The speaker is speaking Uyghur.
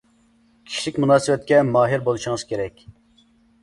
كىشىلىك مۇناسىۋەتكە ماھىر بولۇشىڭىز كېرەك.